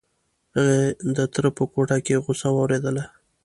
هغې د تره په کوټه کې غوسه واورېدله.